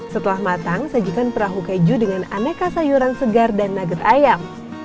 setelah matang sajikan perahu keju dengan aneka sayuran segar dan nugger ayam